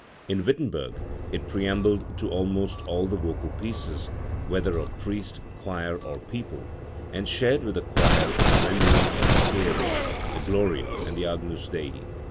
In Wittenberg it preambled to almost all the vocal pieces, whether of priest, choir or people, and shared with the choir in the rendering of the Kyrie , the Gloria and the Agnus Dei.